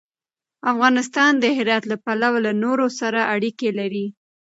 افغانستان د هرات له پلوه له نورو سره اړیکې لري.